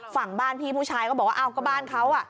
ฝั่งบ้านพี่ผู้ชายก็บอกว่าอ้าวก็บ้านเขา